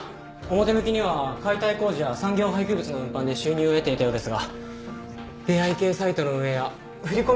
表向きには解体工事や産業廃棄物の運搬で収入を得ていたようですが出会い系サイトの運営や振り込め